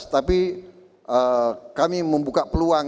tapi kami membuka peluang